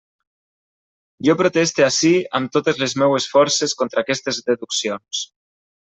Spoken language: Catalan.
Jo proteste ací amb totes les meues forces contra aquestes deduccions.